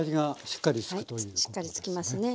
しっかりつきますね。